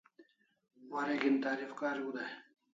Wareg'in tarif kariu dai